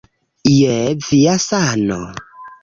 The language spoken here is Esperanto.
Je via sano